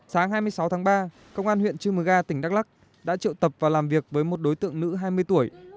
sáng hai mươi sáu tháng ba công an huyện chư mờ ga tỉnh đắk lắc đã triệu tập và làm việc với một đối tượng nữ hai mươi tuổi